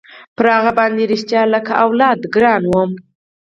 پر هغه باندې رښتيا لکه اولاد ګران وم.